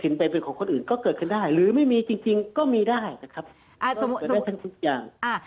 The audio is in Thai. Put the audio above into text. จะเป็นของคนอื่นก็เกิดขึ้นได้หรือไม่มีจริงก็มีได้นะครับ